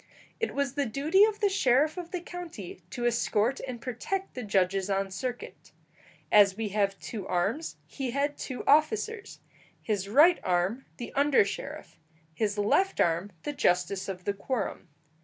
It was the duty of the sheriff of the county to escort and protect the judges on circuit. As we have two arms, he had two officers; his right arm the under sheriff, his left arm the justice of the quorum.